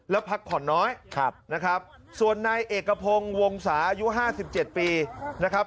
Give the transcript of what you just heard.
แล้วพักผ่อนน้อยนะครับส่วนนายเอกพงศ์วงศาอายุ๕๗ปีนะครับ